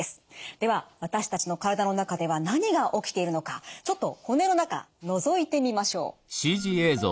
では私たちの体の中では何が起きているのかちょっと骨の中のぞいてみましょう。